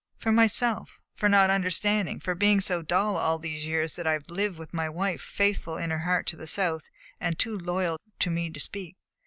"For myself; for not understanding for being so dull all these years that I have lived with a wife faithful in her heart to the South and too loyal to me to speak.